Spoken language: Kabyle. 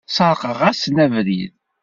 Sεerqeɣ-asen abrid.